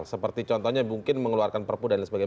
seperti contohnya mungkin mengeluarkan perpudan dan sebagainya